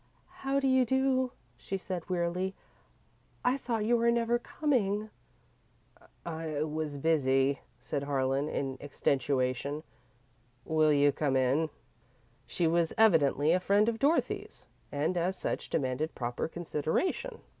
"How do you do," she said, wearily. "I thought you were never coming." "I was busy," said Harlan, in extenuation. "Will you come in?" She was evidently a friend of Dorothy's, and, as such, demanded proper consideration.